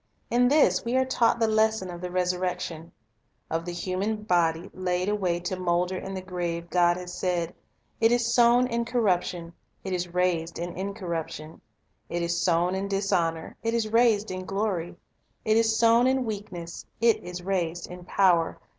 In .1 symbol this we are taught the lesson of the resurrection. Of Resurrection the human body laid away to moulder in the grave, God has said: "It is sown in corruption ; it is raised in incor ruption: it is sown in dishonor; it is raised in glory: it is sown in weakness; it is raised in power."